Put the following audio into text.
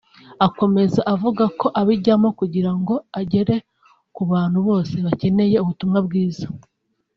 Akomeza avuga ko abijyamo kugira ngo agere ku bantu bose bakeneye ubutumwa bwiza